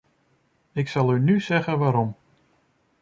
Ik zal u nu zeggen waarom.